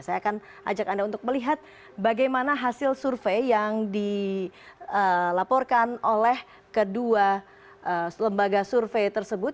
saya akan ajak anda untuk melihat bagaimana hasil survei yang dilaporkan oleh kedua lembaga survei tersebut